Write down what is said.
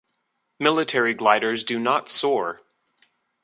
Military gliders do not soar.